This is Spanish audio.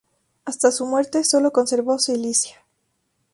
Hasta su muerte, solo conservó Cilicia.